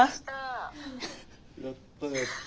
やったやった。